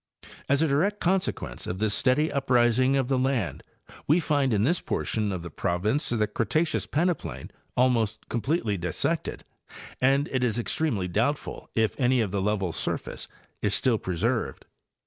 Asa direct consequence of this steady uprising of the land we find in this portion of the province the Cretaceous peneplain almost completely dissected, and it is extremely doubtful if any of the level surface is still preserved.